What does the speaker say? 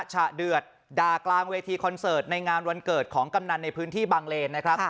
ฉะเดือดด่ากลางเวทีคอนเสิร์ตในงานวันเกิดของกำนันในพื้นที่บางเลนนะครับ